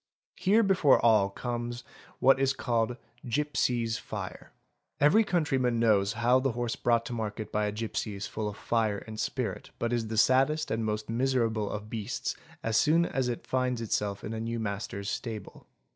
Here before all comes what is called " gipsies' fire'. Every countryman knows how the horse brought to market by a gipsy is full of fire and spirit. but is the saddest and most miserable of beasts as soon as it finds itself in a new master's stable.